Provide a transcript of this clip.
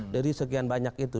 dari sekian banyak itu